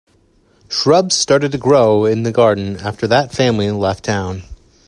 Shrubs started to grow in the garden after that family left town.